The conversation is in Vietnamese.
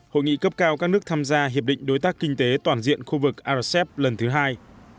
hội nghị cấp cao các nước tham gia hiệp định đối tác kinh tế toàn diện khu vực rcep lần thứ hai